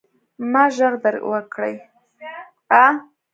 ما ږغ در وکړئ.